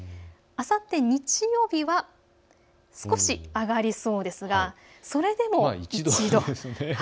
あさって日曜日は少し上がりそうですがそれでも１度。